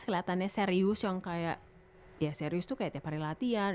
kelihatannya serius yang kayak ya serius tuh kayak tiap hari latihan